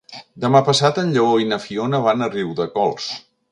Demà passat en Lleó i na Fiona van a Riudecols.